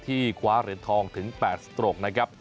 คว้าเหรียญทองถึง๘สตรกนะครับ